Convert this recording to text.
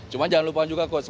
cuma jangan lupa juga coach